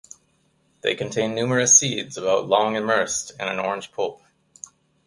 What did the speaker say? They contain numerous seeds about long immersed in an orange pulp.